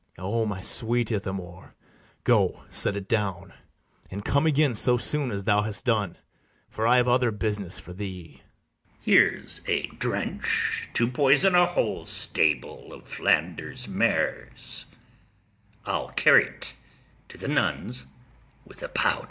O my sweet Ithamore, go set it down; And come again so soon as thou hast done, For I have other business for thee. ITHAMORE. Here's a drench to poison a whole stable of Flanders mares: I'll carry't to the nuns with a powder.